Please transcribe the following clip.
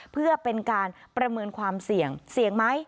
เพื่อเป็นการประเมินความเสี่ยงเสี่ยงไหม